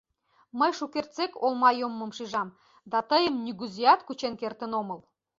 Мый шукертсек олма йоммым шижам, да тыйым нигузеат кучен кертын омыл».